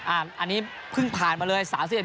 อันนี้เพิ่งผ่านมาเลย๓๑